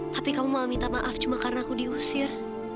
tapi kamu malah minta maaf cuma karena aku diusir